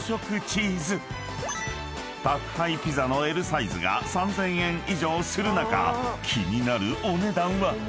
［宅配ピザのＬサイズが３，０００円以上する中気になるお値段は］